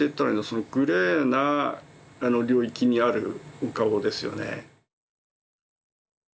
そのグレーな領域にあるお顔ですよね。